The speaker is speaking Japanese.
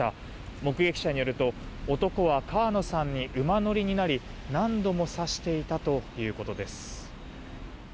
目撃者によると男は川野さんに馬乗りになり何度も刺していたということです。